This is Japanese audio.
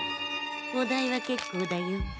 お代は結構だよ。